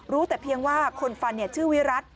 รู้แต่เพียงว่าคนฟันชื่อวิรัติ